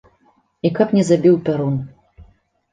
І каб не забіў пярун.